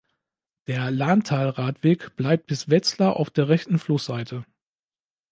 Der Lahntalradweg bleibt bis Wetzlar auf der rechten Flussseite.